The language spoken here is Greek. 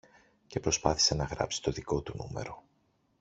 και προσπάθησε να γράψει το δικό του νούμερο